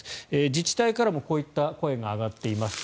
自治体からもこういった声が上がっています。